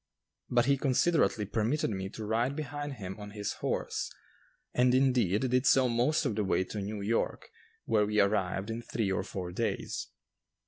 But he considerately permitted me to ride behind him on his horse; and, indeed, did so most of the way to New York, where we arrived in three or four days.